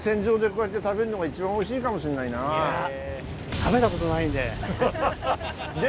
食べたことないんで。